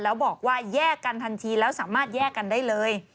แล้วบอกว่าแยกกันทันทีแล้วสามารถแยกกันได้เลย